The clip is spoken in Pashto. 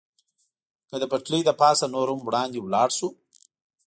که د پټلۍ له پاسه نور هم وړاندې ولاړ شو.